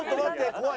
怖い。